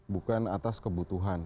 bukan atas kebutuhan